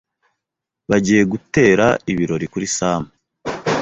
Bagiye gutera ibirori kuri Sam.